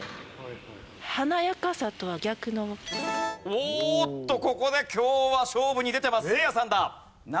おっとここで今日は勝負に出てますせいやさんだ。